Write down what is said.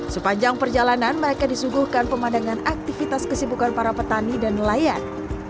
sepanjang perjalanan mereka disuguhkan pemandangan aktivitas kesibukan para petani dan nelayan